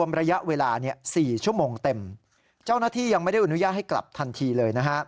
พ่อหน้าที่ยังไม่ได้อนุญาตให้กลับทันทีเลยนะฮะ